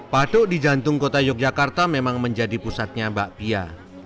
padok di jantung kota yogyakarta memang menjadi pusatnya bakpia